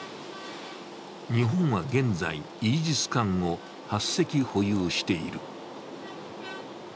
日本は現在、イージス艦を８隻保有している。